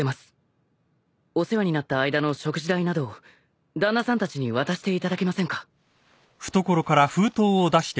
お世話になった間の食事代などを旦那さんたちに渡していただけませんか？